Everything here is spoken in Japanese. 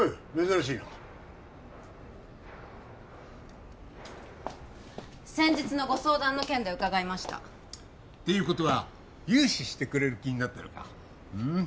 珍しいな先日のご相談の件で伺いましたっていうことは融資してくれる気になったのかうん？